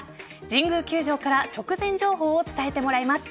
神宮球場から直前情報を伝えてもらいます。